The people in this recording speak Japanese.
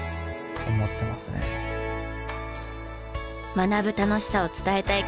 学ぶ楽しさを伝えたい小森さん。